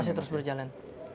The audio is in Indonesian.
masih terus berjalan